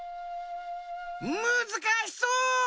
むずかしそう！